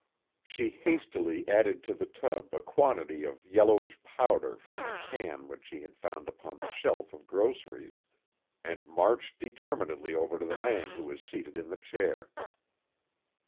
She hastily added to the tub a quantity of yellowish powder from a can which she had found upon the shelf of groceries, and marched determinedly over to the man who was seated in the chair.